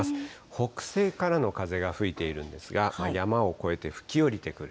北西からの風が吹いているんですが、山を越えて吹きおりてくる。